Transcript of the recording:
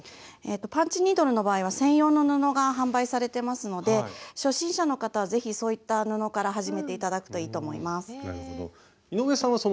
パンチニードルの場合は専用の布が販売されてますので初心者の方は是非そういった布から始めて頂くといいと思います。